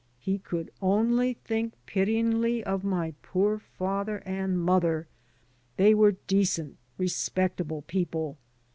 He could only think pityingly of my poor father and mother. They were decent, respectable people.